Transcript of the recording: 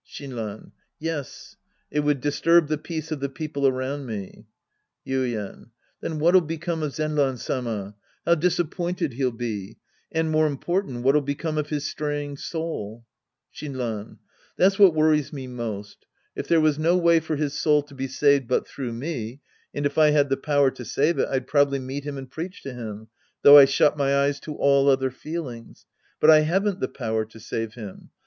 Shinran. Yes. It would disturb the peace of the people around me. Yuien. Then what'll become of Zenran Sama? How disappointed he'll be*! And m.ore important, what'll become of his straying soul ? Shinran. That's what worries me most. If there was no way for his soul to be saved but through me, and if I had the power to save it, I'd probably meet him and preach to him, though I shut my eyes to all other feelings. But I haven't the power to save him.